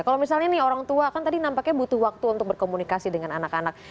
kalau misalnya nih orang tua kan tadi nampaknya butuh waktu untuk berkomunikasi dengan anak anak